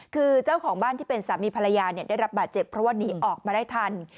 คือเจ้าของบ้านที่เป็นสามีภรรยาได้รับบาดเจ็บเพราะว่าหนีออกมาได้ทัน